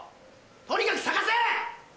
とにかく捜せ！